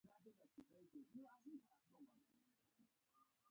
د عزیزي لس میلیارده پانګه یوازې رڼا نه ده.